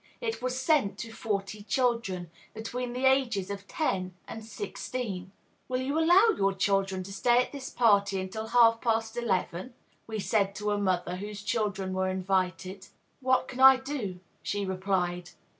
It was sent to forty children, between the ages of ten and sixteen. "Will you allow your children to stay at this party until half past eleven?" we said to a mother whose children were invited. "What can I do?" she replied.